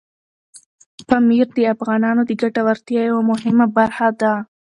پامیر د افغانانو د ګټورتیا یوه مهمه برخه ده.